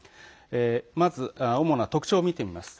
まず主な特徴を見てみます。